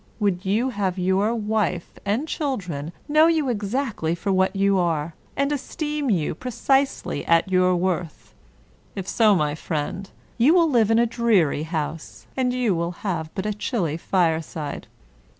Would you have your wife and children know you exactly for what you are, and esteem you precisely at your worth? If so, my friend, you will live in a dreary house, and you will have but a chilly fire side.